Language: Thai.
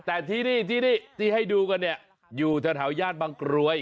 แต่ที่นี่ที่ให้ดูกันอยู่ทะเท้าย่านบางกรวย